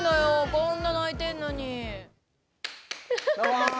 こんな泣いてんのに。